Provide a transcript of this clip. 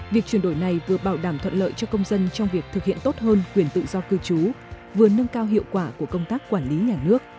việc chuyển đổi này vừa bảo đảm thuận lợi cho công dân trong việc thực hiện tốt hơn quyền tự do cư trú vừa nâng cao hiệu quả của công tác quản lý nhà nước